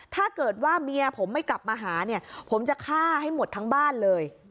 ถ้าเกิดว่าเมียผมไม่กลับมาหาเนี่ยผมจะฆ่าให้หมดทั้งบ้านเลย